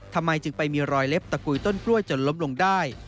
ทำไมจึงไปมีรอยเล็บตะกุยต้นกล้วยจนล้มลงได้